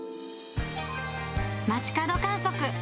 街角観測。